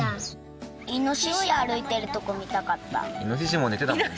イノシシも寝てたもんね。